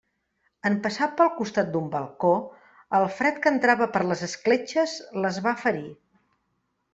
En passar pel costat d'un balcó, el fred que entrava per les escletxes les va ferir.